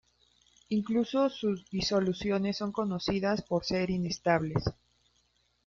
Incluso sus disoluciones son conocidas por ser inestables.